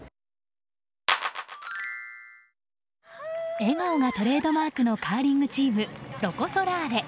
笑顔がトレードマークのカーリングチームロコ・ソラーレ。